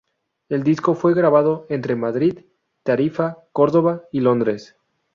El disco fue grabado entre Madrid, Tarifa, Córdoba y Londres.